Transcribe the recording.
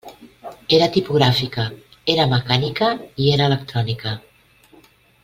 Era tipogràfica, era mecànica i era electrònica.